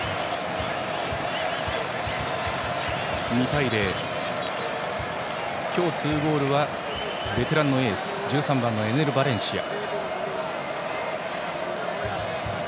２対０、今日２ゴールはベテランのエース１３番のエネル・バレンシア。